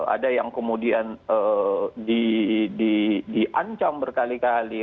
ada yang kemudian diancam berkali kali